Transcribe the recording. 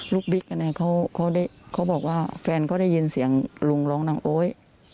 ลูกบิ๊กเนี่ยเขาบอกว่าแฟนก็ได้ยินเสียงลุงร้องนางโอ๊ย